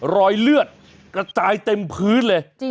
รอยเลือดกระจายเต็มพื้นเลย